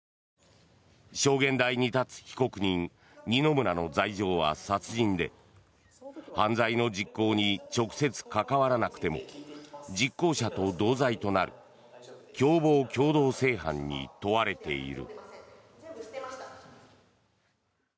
証言台に立つ被告人・二村の罪状は殺人で犯罪の実行に直接関わらなくても実行者と同罪となる共謀共同正犯に問われている。